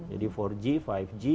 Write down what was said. jadi empat g lima g